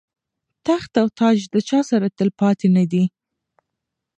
تخت او تاج د چا سره تل پاتې نه دی.